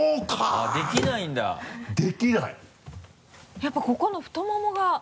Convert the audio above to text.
やっぱここの太ももが。